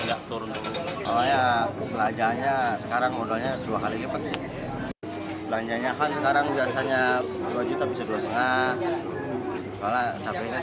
belanjanya sekarang modalnya dua kali lipat belanjanya sekarang biasanya